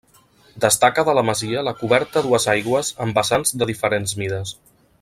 Destaca de la masia la coberta a dues aigües amb vessants de diferents mides.